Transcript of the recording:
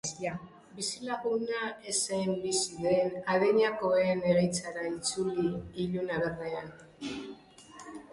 Bizilaguna ez zen bizi den adinekoen egoitzara itzuli ilunabarrean.